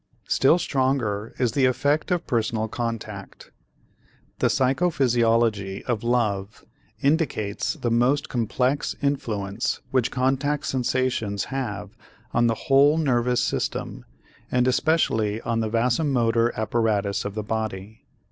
Still stronger is the effect of personal contact. The psychophysiology of love indicates the most complex influence which contact sensations have on the whole nervous system and especially on the vasomotor apparatus of the body.